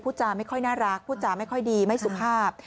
จาไม่ค่อยน่ารักพูดจาไม่ค่อยดีไม่สุภาพ